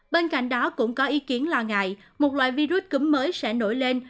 bên cạnh đó cũng có ý kiến lo ngại một loại virus cúm mới sẽ nổi lên